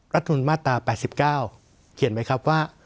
รัฐธุรกิจมาตรา๘๙เขียนไว้ครับว่า